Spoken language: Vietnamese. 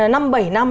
năm bảy năm